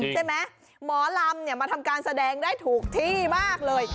หมอลำมาทำการแสดงได้ถูกที่มากเลย